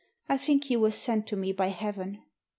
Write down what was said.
I think you were sent to me by Heaven."